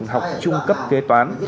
học trung cấp kế toán